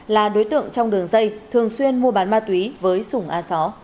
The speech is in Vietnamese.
là đối tượng trong đường dây thường xuyên mua bán ma túy với sùng a só